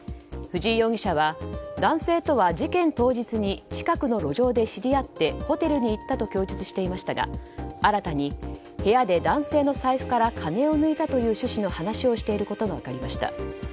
藤井容疑者は男性とは事件当日に近くの路上で知り合ってホテルに行ったと供述していましたが新たに部屋で男性の財布から金を抜いたという趣旨の話をしていることが分かりました。